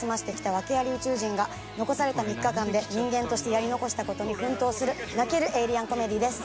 訳アリ宇宙人が残された３日間で人間としてやり残した事に奮闘する泣けるエイリアンコメディです。